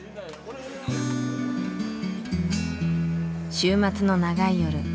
週末の長い夜。